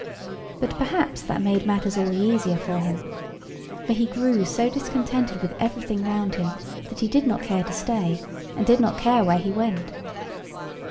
But perhaps that made matters all the easier for him; for he grew so discontented with everything round him that he did not care to stay, and did not care where he went.